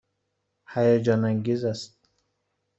هیجان انگیز است.